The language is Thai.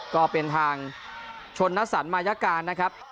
ก็เป็นทางชนนสรรมายการนะครับ